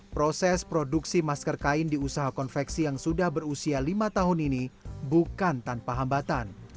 proses produksi masker kain di usaha konveksi yang sudah berusia lima tahun ini bukan tanpa hambatan